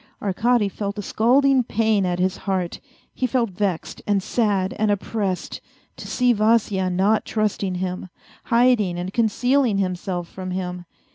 Arkady felt a scalding pain at his heart; he felt vexed and sad and oppressed to see Vasya not trusting him, hiding and concealing himself from him.